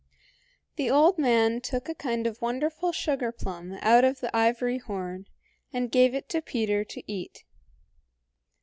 The old man took a kind of wonderful sugarplum out of the ivory horn, and gave it to Peter to eat.